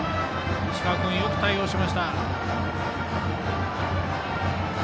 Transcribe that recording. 石川君がよく対応しました。